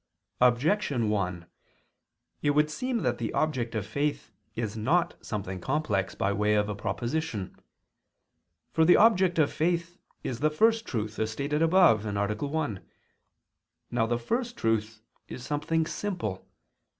Objection 1: It would seem that the object of faith is not something complex by way of a proposition. For the object of faith is the First Truth, as stated above (A. 1). Now the First Truth is something simple.